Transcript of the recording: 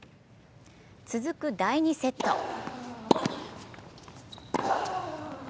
続く第２セット。